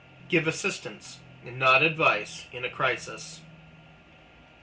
Give assistance, not advice, in a crisis.